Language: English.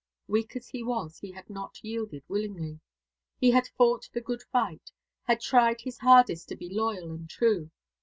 Weak as he was, he had not yielded willingly. He had fought the good fight, had tried his hardest to be loyal and true.